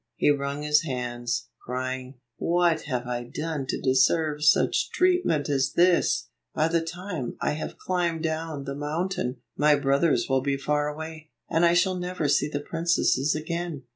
He wrung his hands, crying, "What have I done to deserve such treatment as this ? By the time I have climbed down the mountain, my brothers will be far away, and I shall never see the prin cesses again."